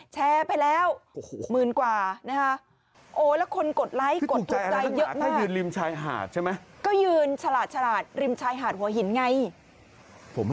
แชร์ไปแล้วหมื่นกว่านะฮะ